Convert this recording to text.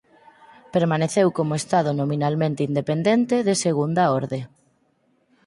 Permaneceu como estado nominalmente independente de segunda orde.